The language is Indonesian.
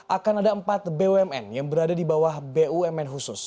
akan ada empat bumn yang berada di bawah bumn khusus